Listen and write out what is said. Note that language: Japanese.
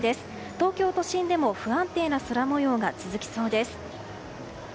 東京都心でも不安定な空模様が続きそうです。